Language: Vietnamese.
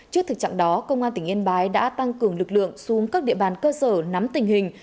trước thực trạng đó công an tỉnh yên bái đã tăng cường lực lượng xuống các địa bàn cơ sở nắm tình hình